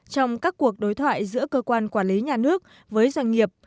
trong các cuộc đối thoại giữa cơ quan quản lý nhà nước với doanh nghiệp